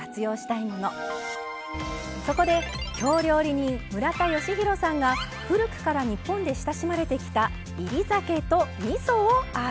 そこで京料理人村田吉弘さんが古くから日本で親しまれてきた煎り酒とみそをアレンジ。